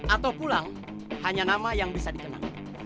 atau pulang hanya nama yang bisa dikenal